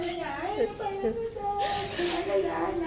นี่ค่ะวินาทีที่เดินเข้ามาในห้องคือคราบลงคราบเลือดมันยังอยู่เลยค่ะ